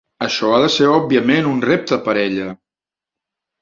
Això ha de ser òbviament un repte per a ella.